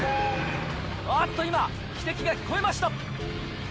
あっと今汽笛が聞こえました。